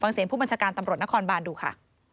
เสียงผู้บัญชาการตำรวจนครบานดูค่ะ